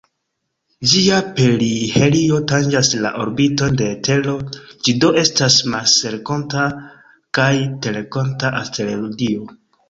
Ĝia perihelio tanĝas la orbiton de Tero, ĝi do estas marsrenkonta kaj terrenkonta asteroido.